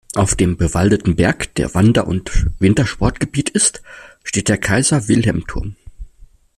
Auf dem bewaldeten Berg, der Wander- und Wintersportgebiet ist, steht der Kaiser-Wilhelm-Turm.